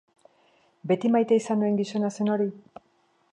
Beti maite izan nuen gizona zen hori?